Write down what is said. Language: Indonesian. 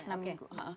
iya enam minggu